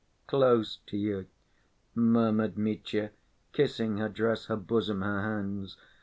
"Close to you," murmured Mitya, kissing her dress, her bosom, her hands.